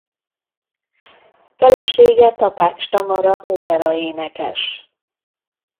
Felesége Takács Tamara operaénekes.